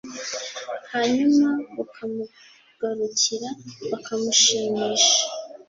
Hanyuma bukamugarukira, bukamushimisha,